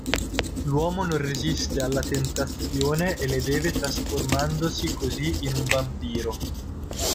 L'uomo non resiste alla tentazione e le beve trasformandosi così in un vampiro.